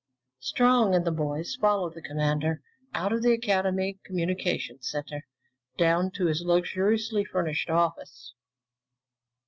Strong and the boys followed the commander out of the Academy communications center down to his luxuriously furnished office.